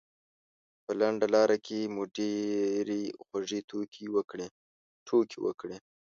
په لنډه لاره کې مو ډېرې خوږې ټوکې وکړې.